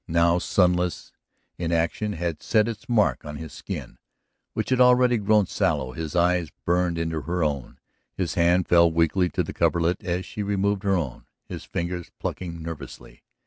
Now sunless inaction had set its mark in his skin which had already grown sallow; his eyes burned into her own, his hand fell weakly to the coverlet as she removed her own, his fingers plucking nervously.